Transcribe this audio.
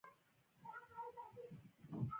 ځکه چې له هغوی سره یې راشه درشه نه خوښېږي